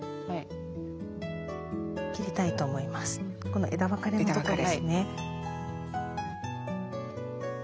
この枝分かれのとこですね。